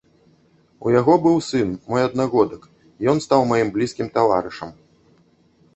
У яго быў сын, мой аднагодак, ён стаў маім блізкім таварышам.